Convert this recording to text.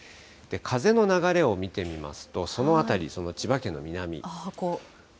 風の流れを見てみますと、その辺り、その千葉県の南。